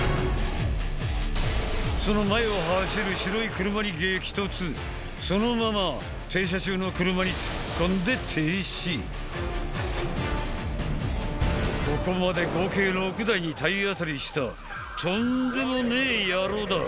その前を走る白い車に激突そのまま停車中の車に突っ込んで停止ここまで合計６台に体当たりしたとんでもねえ野郎だ！